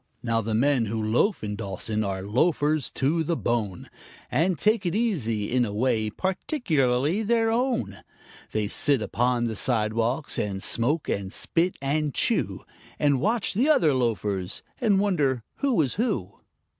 Now, the men who loaf in Dawson are loafers to the bone, And take it easy in a way peculiarly their own; They sit upon the sidewalks and smoke and spit and chew, And watch the other loafers, and wonder who is who.